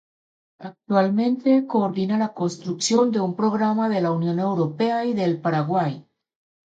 Actualmente coordina la construcción de un programa de la Unión Europea y del Paraguay.